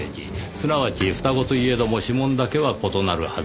すなわち双子といえども指紋だけは異なるはず。